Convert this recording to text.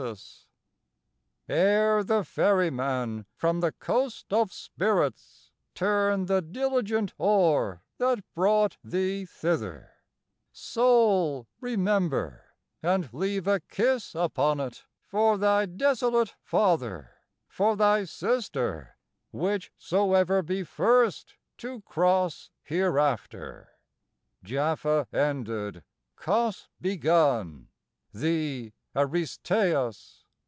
VIII Ere the Ferryman from the coast of spirits Turn the diligent oar that brought thee thither, Soul, remember: and leave a kiss upon it For thy desolate father, for thy sister, Whichsoever be first to cross hereafter. IX Jaffa ended, Cos begun Thee, Aristeus.